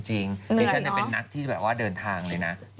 จริงนี่ฉันเนี่ยเป็นนักที่แบบว่าเดินทางเลยนะเหนื่อยเนอะ